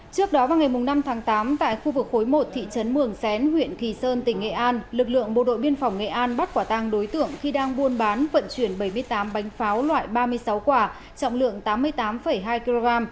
trước đó vào ngày năm tháng tám tại khu vực khối một thị trấn mường xén huyện kỳ sơn tỉnh nghệ an lực lượng bộ đội biên phòng nghệ an bắt quả tăng đối tượng khi đang buôn bán vận chuyển bảy mươi tám bánh pháo loại ba mươi sáu quả trọng lượng tám mươi tám hai kg